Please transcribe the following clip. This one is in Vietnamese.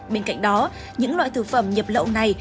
bên cạnh đó những loại thực phẩm nhập lậu này